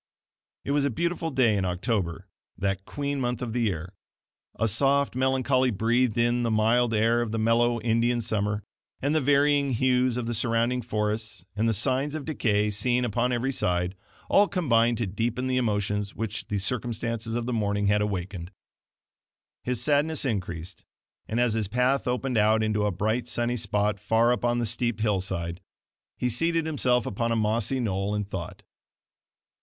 It was a beautiful day in October, that queen month of the year. A soft melancholy breathed in the mild air of the mellow "Indian summer," and the varying hues of the surrounding forests, and the signs of decay seen upon every side, all combined to deepen the emotions which the circumstances of the morning had awakened. His sadness increased; and as his path opened out into a bright, sunny spot far up on the steep hillside, he seated himself upon a mossy knoll and thought.